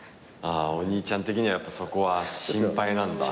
ああお兄ちゃん的にはそこは心配なんだ。